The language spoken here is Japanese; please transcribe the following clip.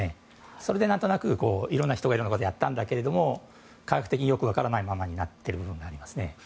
それで何となくいろいろな人がいろいろやったけど科学的にはよく分からないままになっている部分がありますね。